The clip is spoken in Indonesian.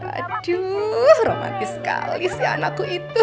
aduh romantis sekali sih anakku itu